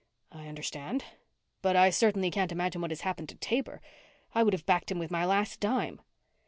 "I understand. But I certainly can't imagine what has happened to Taber. I would have backed him with my last dime."